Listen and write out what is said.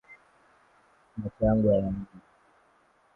Macho yangu nayainua.